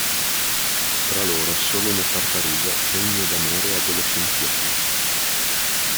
Tra loro solo una tartaruga, pegno d'amore adolescenziale.